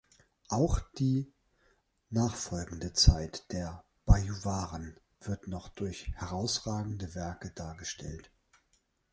Auch die nachfolgende Zeit der Bajuwaren wird noch durch herausragende Werke dargestellt.